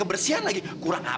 tahu nggak sengaja